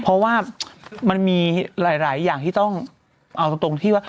เพราะว่ามันมีหลายอย่างที่ต้องเอาตรงที่ว่า